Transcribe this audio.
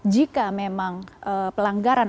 jika memang pelanggaran